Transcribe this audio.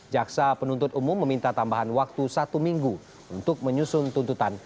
jaksa penuntut umum meminta tambahan waktu satu minggu untuk menyusun tuntutan